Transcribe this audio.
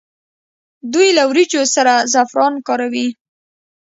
دوی له وریجو سره زعفران کاروي.